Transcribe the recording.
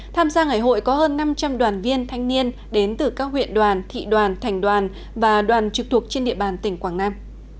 tham gia ngày hội có hơn năm trăm linh đoàn viên thanh niên đến từ các huyện đoàn thị đoàn thành đoàn và đoàn trực thuộc trên địa bàn tỉnh quảng nam